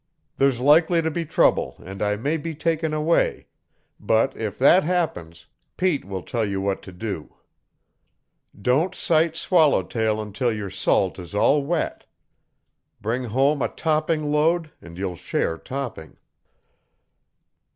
"There's likely to be trouble, and I may be taken away, but if that happens Pete will tell you what to do. Don't sight Swallowtail until your salt is all wet. Bring home a topping load and you'll share topping."